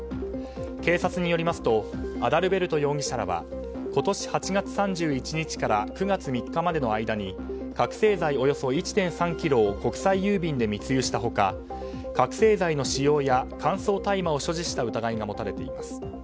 警察によりますとアダルベルト容疑者らは今年８月３１日から９月３日までの間に覚醒剤およそ１．３ｋｇを国際郵便で密輸した他覚醒剤の使用や乾燥大麻を所持した疑いが持たれています。